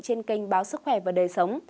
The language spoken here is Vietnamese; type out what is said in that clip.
trên kênh báo sức khỏe và đời sống